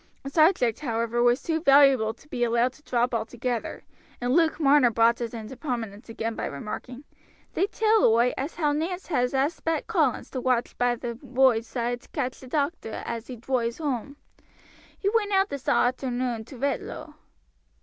The subject, however, was too valuable to be allowed to drop altogether, and Luke Marner brought it into prominence again by remarking: "They tell oi as how Nance has asked Bet Collins to watch by the rood soide to catch doctor as he droives whoam. He went out this arternoon to Retlow."